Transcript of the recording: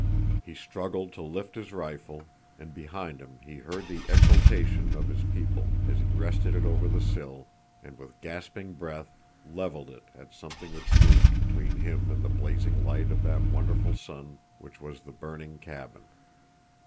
He struggled to lift his rifle, and behind him he heard the exultation of his people as he rested it over the sill and with gasping breath leveled it at something which moved between him and the blazing light of that wonderful sun which was the burning cabin.